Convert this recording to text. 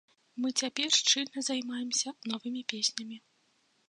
Мы цяпер шчыльна займаемся новымі песнямі.